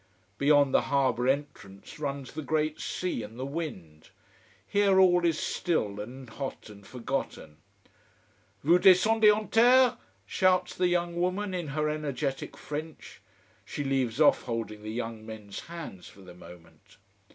Beyond the harbour entrance runs the great sea and the wind. Here all is still and hot and forgotten. "Vous descendez en terre?" shouts the young woman, in her energetic French she leaves off holding the young men's hands for the moment.